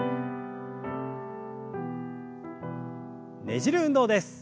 ねじる運動です。